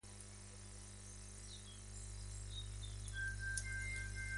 La revista en línea ha cesado su actividad.